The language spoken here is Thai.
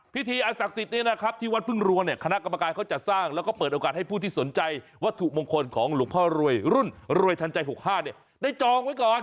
พิธีอันศักดิ์สิทธิ์นี้นะครับที่วัดพึ่งรวงเนี่ยคณะกรรมการเขาจัดสร้างแล้วก็เปิดโอกาสให้ผู้ที่สนใจวัตถุมงคลของหลวงพ่อรวยรุ่นรวยทันใจ๖๕ได้จองไว้ก่อน